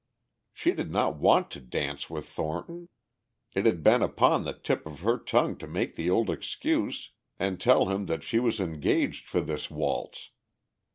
She did not want to dance with Thornton; it had been upon the tip of her tongue to make the old excuse and tell him that she was engaged for this waltz.